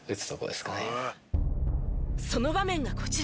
その場面がこちら。